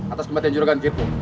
atas kematian juragan kipu